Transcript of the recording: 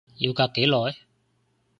要隔幾耐？